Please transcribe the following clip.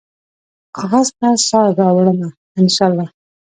کاغذ ته سا راوړمه ، ان شا الله